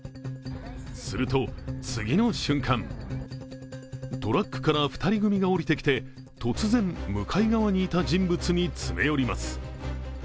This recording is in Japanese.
すると次の瞬間、トラックから２人組が降りてきて突然、向かい側にいた人物に詰め寄ります。